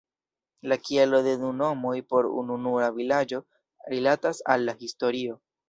La kialo de du nomoj por ununura vilaĝo rilatas al la historio.